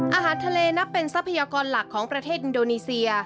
อาหารทะเลนับเป็นทรัพยากรหลักของประเทศอินโดนีเซีย